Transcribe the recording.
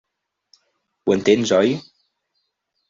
Ho entens, oi?